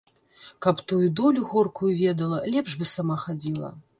Каб тую долю горкую ведала, лепш бы сама хадзіла.